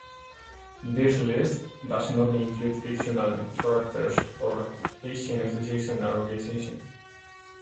This list does not include fictional characters or Haitian associations and organizations.